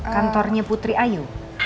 kantornya putri ayu